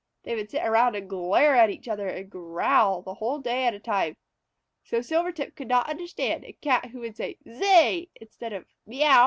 They would sit around and glare at each other and growl a whole day at a time. So Silvertip could not understand a Cat who said "Zeay!" instead of "Meouw!"